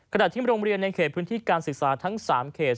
ที่โรงเรียนในเขตพื้นที่การศึกษาทั้ง๓เขต